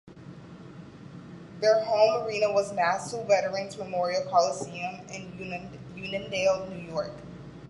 Their home arena was Nassau Veterans Memorial Coliseum in Uniondale, New York.